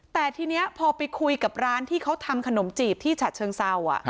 แต่ทีนี้พอไปคุยกับร้านที่เขาทำขนมจีบที่ฉะเชิงเศร้า